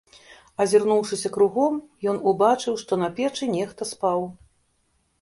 Азірнуўшыся кругом, ён убачыў, што на печы нехта спаў.